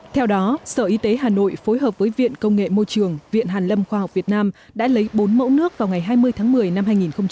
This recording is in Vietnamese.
theo đó sở y tế hà nội phối hợp với viện công nghệ môi trường viện hàn lâm khoa học việt nam đã lấy bốn mẫu nước vào ngày hai mươi tháng một mươi năm hai nghìn một mươi chín